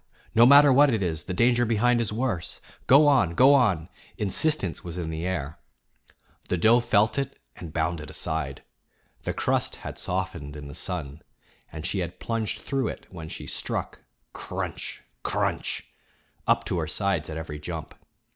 No matter what it is, the danger behind is worse. Go on, go on!" Insistence was in the air. The doe felt it and bounded aside. The crust had softened in the sun, and she plunged through it when she struck, cr r runch, cr r runch, up to her sides at every jump.